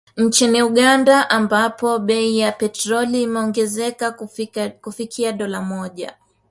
Nchini Uganda, ambapo bei ya petroli imeongezeka kufikia dola moja.